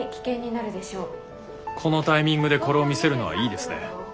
このタイミングでこれを見せるのはいいですね。